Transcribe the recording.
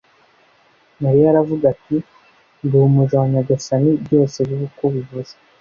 mariya aravuga ati : ndi umuja wa nyagasani byose bibe uko ubivuze